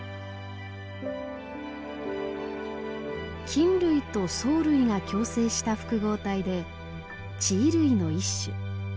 菌類と藻類が共生した複合体で地衣類の一種。